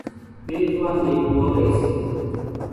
ۮيتوا نين ڦوري سي